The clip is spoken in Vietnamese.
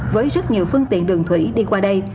với rất nhiều phương tiện đường thủy đi qua đây